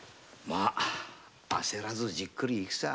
焦らずじっくりいくさ。